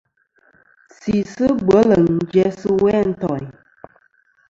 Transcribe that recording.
Sisɨ bweleŋ jæ sɨ we a ntoyn.